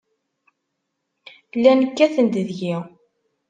Llan kkaten-d deg-i.